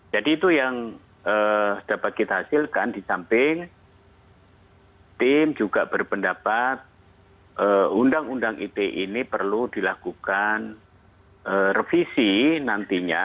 jadi itu yang dapat kita hasilkan di samping tim juga berpendapat undang undang it ini perlu dilakukan revisi nantinya